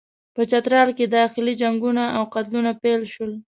په چترال کې داخلي جنګونه او قتلونه پیل شول.